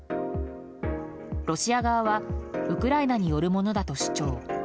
ロシア側はウクライナによるものだと主張。